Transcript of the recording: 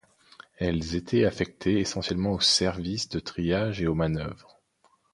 Elles étaient affectées essentiellement au service de triage et aux manœuvres.